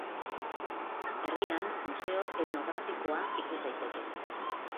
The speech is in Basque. Herrian Museo Etnografikoa ikus daiteke.